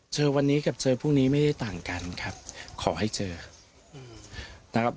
เจอวันนี้กับเจอพรุ่งนี้ไม่ได้ต่างกันครับขอให้เจอนะครับ